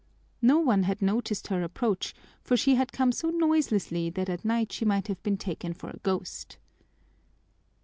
No one had noticed her approach, for she had come so noiselessly that at night she might have been taken for a ghost.